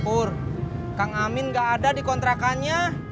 kang amin gak ada di kontrakannya